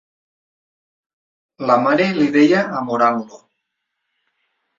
La mare li deia, amorant-lo,...